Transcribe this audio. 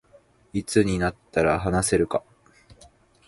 いつになったら話せるか